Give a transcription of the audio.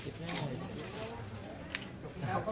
ขอบคุณนะคะขอบคุณนะคะ